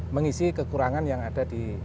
mengisi kekurangan yang ada di